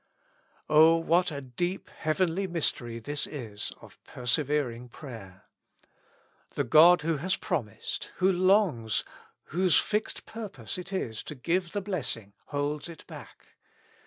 O what a deep heavenly mystery this is of perse vering prayer. The God who has promised, who longs, whose fixed purpose it is to give the blessing, holds it back.